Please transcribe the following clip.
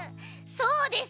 そうです！